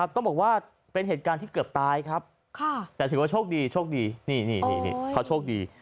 ต้องบอกว่าเป็นเหตุการณ์ที่เกือบตายครับแต่ถือว่าโชคดีโชคดีนี่เขาโชคดี